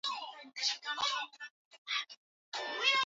“Ghasia hizo bado zinakumbukwa na Wakenya wengi katika fikra zao